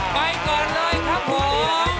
ไปก่อนเลยครับผม